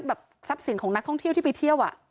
แบบทรัพย์สินของนักท่องเที่ยวที่ไปเที่ยว